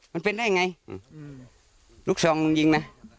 สุดท้ายก็ยิง